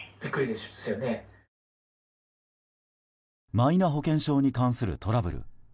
マイナ保険証に関するトラブル。